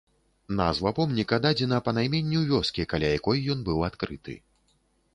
Назва помніка дадзена па найменню вёскі, каля якой ён быў адкрыты.